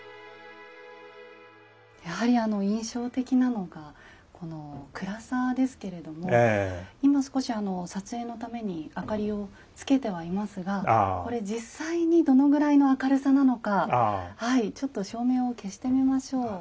やはり印象的なのがこの暗さですけれども今少しあの撮影のために明かりをつけてはいますがこれ実際にどのぐらいの明るさなのかはいちょっと照明を消してみましょう。